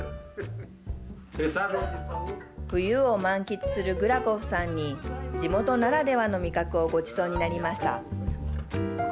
冬を満喫するグラコフさんに現地ならではの味覚をごちそうになりました。